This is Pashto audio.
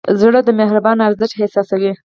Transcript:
زړه د مهربانۍ ارزښت احساسوي.